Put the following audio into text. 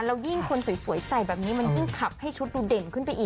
แล้วยิ่งคนสวยใส่แบบนี้มันยิ่งขับให้ชุดดูเด่นขึ้นไปอีก